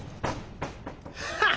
ハッ！